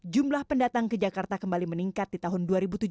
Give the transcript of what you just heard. jumlah pendatang ke jakarta kembali meningkat di tahun dua ribu tujuh belas